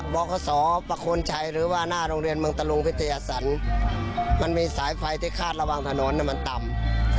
บริษฐ์บทศปะคนชัยหรือว่าหน้าโรงเรียนเมืองตรงพิทยาศัลมันมีสายไฟที่คาดระวังถนนนี่มันต่ำ